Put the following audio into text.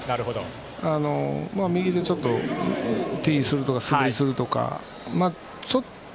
右でちょっとティーするとか素振りするとか。